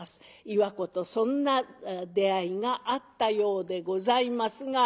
岩子とそんな出会いがあったようでございますが。